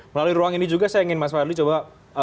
melalui ruang ini juga saya ingin mas fadli coba